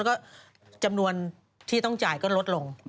แล้วก็จำนวนที่ต้องจ่ายก็ลดลง